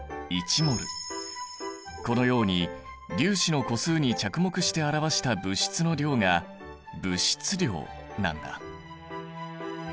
このように粒子の個数に着目して表した物質の量が物質量なんだ。